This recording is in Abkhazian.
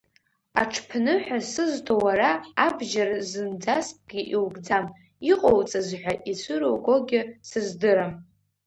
Аҽԥныҳәа сызҭо уара, абџьар зынӡаскгьы иукӡам, иҟоуҵаз ҳәа ицәыругогьы сыздырам.